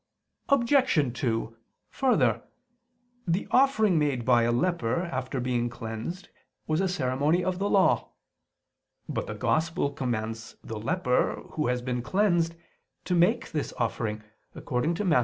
Obj. 2: Further, the offering made by a leper after being cleansed was a ceremony of the Law. But the Gospel commands the leper, who has been cleansed, to make this offering (Matt.